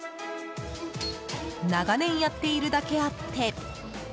長年やっているだけあって。